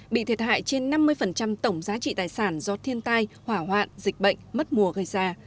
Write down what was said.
bị thiệt hại trên năm mươi tổng giá trị tài sản do thiên tai hỏa hoạn dịch bệnh mất mùa gây ra